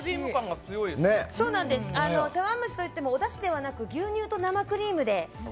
茶碗蒸しといってもおだしではなく牛乳と生クリームで。